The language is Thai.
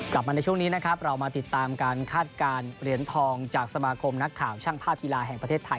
กลับมาในช่วงนี้นะครับเรามาติดตามการคาดการณ์เหรียญทองจากสมาคมนักข่าวช่างภาพกีฬาแห่งประเทศไทย